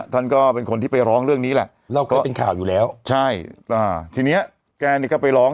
ก็เป็นคนที่ไปร้องเรื่องนี้แหละก็เป็นข่าวอยู่แล้วใช่อ่าทีเนี้ยแกนี่ก็ไปร้อง